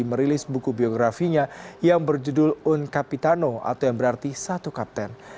merilis buku biografinya yang berjudul un capitano atau yang berarti satu kapten